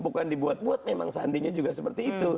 bukan dibuat buat memang sandi nya juga seperti itu